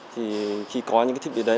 thì khi có những cái thiết bị đấy